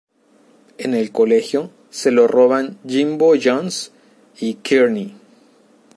En el colegio, se lo roban Jimbo Jones y Kearney.